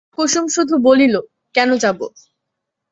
কুসুম শুধু বলিল, কেন যাব?